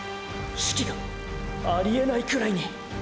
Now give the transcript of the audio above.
士気が！！ありえないくらいに！！